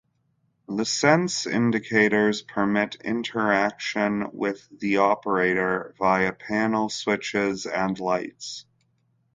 The Sense Indicators permit interaction with the operator via panel switches and lights.